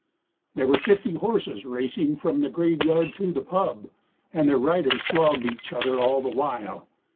There were fifty horses racing from the graveyard to the pub, And their riders flogged each other all the while.